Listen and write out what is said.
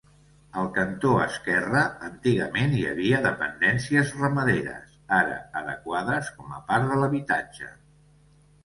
Al cantó esquerre antigament hi havia dependències ramaderes, ara adequades com a part de l'habitatge.